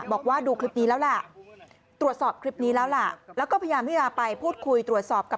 บอกว่าดูคลิปนี้แล้วล่ะ